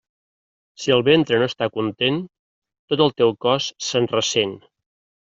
Si el ventre no està content, tot el teu cos se'n ressent.